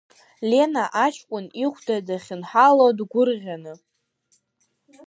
Лена аҷкәын ихәда дахьынҳало, дгәырӷьаны.